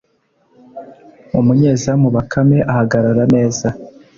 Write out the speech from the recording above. umunyezamu Bakame ahagarara neza